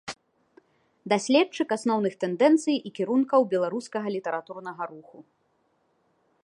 Даследчык асноўных тэндэнцый і кірункаў беларускага літаратурнага руху.